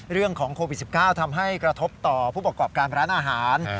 เรื่องของโควิด๑๙ทำให้กระทบต่อผู้ประกอบการร้านอาหาร